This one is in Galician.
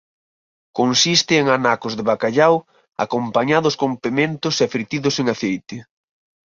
Consiste en anacos de bacallau acompañados con pementos e fritidos en aceite.